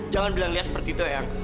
jangan bilang lia seperti itu eyang